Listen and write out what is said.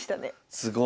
すごい。